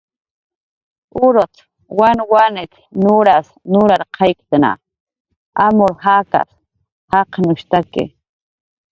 "Urut"" wanwanit"" nuras nurarqayktna, amur jakas jaqnushtaki"